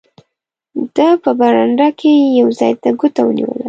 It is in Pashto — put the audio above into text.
ده په برنډه کې یو ځای ته ګوته ونیوله.